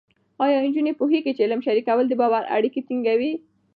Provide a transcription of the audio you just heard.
ایا نجونې پوهېږي چې علم شریکول د باور اړیکې ټینګوي؟